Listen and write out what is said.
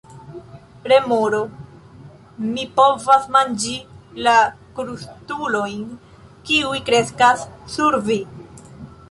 Remoro: "Mi povas manĝi la krustulojn kiuj kreskas sur vi."